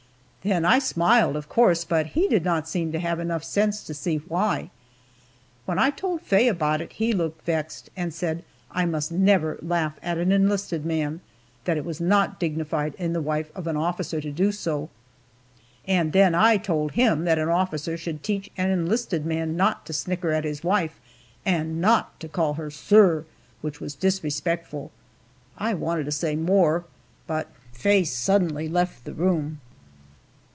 Then I smiled, of course, but he did not seem to have enough sense to see why. When I told Faye about it, he looked vexed and said I must never laugh at an enlisted man that it was not dignified in the wife of an officer to do so. And then I told him that an officer should teach an enlisted man not to snicker at his wife, and not to call her "Sorr," which was disrespectful. I wanted to say more, but Faye suddenly left the room.